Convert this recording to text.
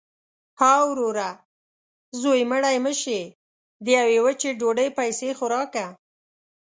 – ها وروره! زوی مړی مه شې. د یوې وچې ډوډۍ پیسې خو راکه.